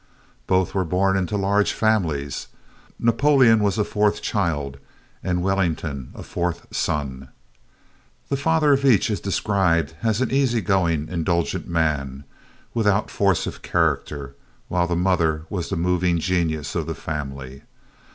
Both were born into large families. Napoleon was a fourth child and Wellington a fourth son. The father of each is described as an easy going, indulgent man, without force of character, while the mother was the moving genius of the family.